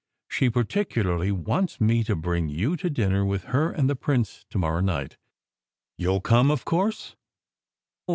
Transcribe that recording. She par ticularly wants me to bring you to dinner with her and the prince to morrow night. You ll come, of course?"